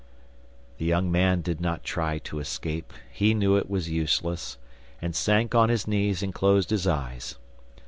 The young man did not try to escape, he knew it was useless, and sank on his knees and closed his eyes.